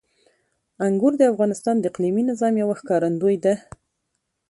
انګور د افغانستان د اقلیمي نظام یوه ښکارندوی ده.